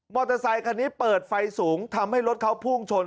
อเตอร์ไซคันนี้เปิดไฟสูงทำให้รถเขาพุ่งชน